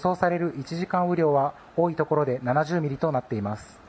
１時間雨量は多いところで７０ミリとなっています。